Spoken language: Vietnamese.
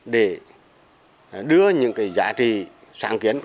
để đưa những giá trị sáng kiến